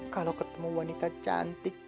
kalau ketemu wanita cantik